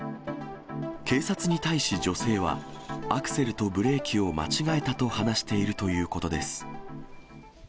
警察に対し、女性は、アクセルとブレーキを間違えたと話しているということです。